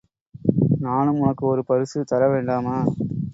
நானும் உனக்கு ஒரு பரிசு தரவேண்டாமா?